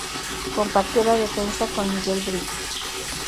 Compartió la defensa con Miguel Britos.